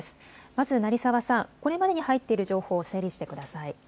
まず成澤さん、これまでに入っている情報を整理してください。